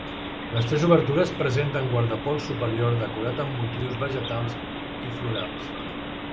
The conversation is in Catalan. Les tres obertures presenten guardapols superior decorat amb motius vegetals i florals.